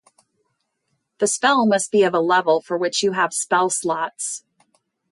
The spells must be of a level for which you have spell slots.